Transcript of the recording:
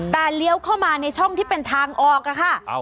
แต่เลี้ยวเข้ามาในช่องที่เป็นทางออกค่ะ